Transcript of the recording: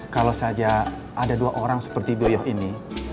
kalau saja ada dua orang seperti bio ini